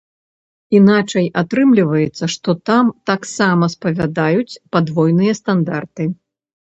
Іначай атрымліваецца, што там таксама спавядаюць падвойныя стандарты.